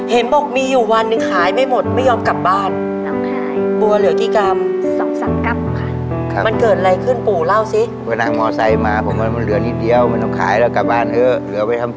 ทำไมลูกปัว๒๓กรับมันมีความหมายกับเรายังไงแล้วลูก